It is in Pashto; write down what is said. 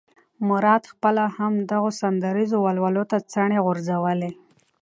مراد خپله هم دغو سندریزو ولولو ته څڼې غورځولې.